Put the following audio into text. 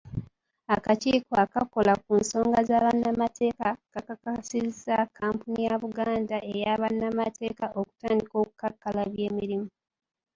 Akakiiko akakola ku nsonga z'abannamateeka, kakakasizza kampuni ya Buganda eya Bannamateeka okutandika okukakkalabya emirimu.